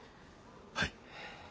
はい。